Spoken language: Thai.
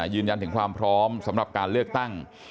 ยืนยันถึงความพร้อมสำหรับการเลือกตั้ง